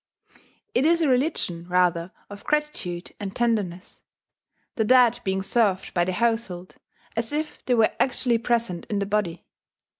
It is a religion rather of gratitude and tenderness; the dead being served by the household as if they were actually present in the body